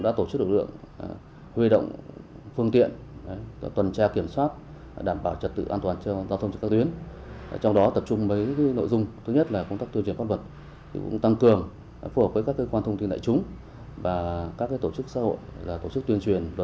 để đảm bảo trật tự an toàn giao thông trong những dịp như lễ hội hoa tam giác mạch đang được diễn ra